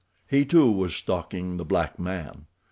He, too, was stalking the black man.